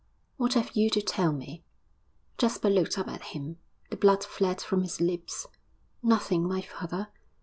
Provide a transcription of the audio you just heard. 'What have you to tell me?' Jasper looked up at him; the blood fled from his lips. 'Nothing, my father!'